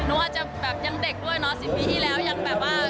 หนูอาจจะแบบยังเด็กด้วยเนาะ๑๐ปีที่แล้วยังแบบว่า